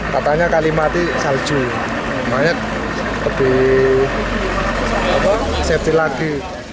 katanya kali mati salju semuanya lebih safety lagi